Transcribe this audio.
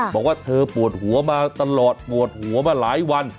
บอกว่าเธอปวดหัวมาตลอดปวดหัวมาหลายวัน